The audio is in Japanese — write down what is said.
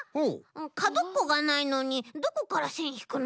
かどっこがないのにどこからせんひくの？